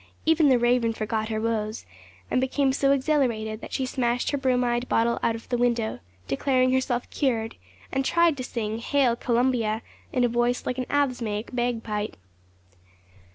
Even the Raven forgot her woes, and became so exhilarated that she smashed her bromide bottle out of the window, declaring herself cured, and tried to sing 'Hail Columbia,' in a voice like an asthmatic bagpipe.